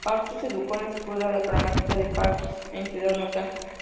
Jackson se educó en la Escuela de Gramática de Paisley, su ciudad natal.